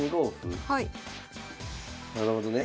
なるほどね。